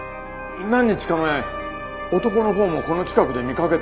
何日か前男のほうもこの近くで見かけたよ。